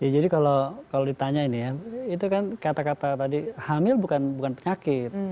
jadi kalau ditanya ini ya itu kan kata kata tadi hamil bukan penyakit